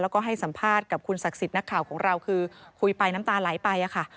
แล้วก็ให้สัมภาษณ์กับคุณศักดิ์สิทธิ์นักข่าวของเราคือคุยไปน้ำตาไหลไปค่ะ